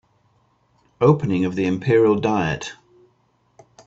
Opening of the Imperial diet.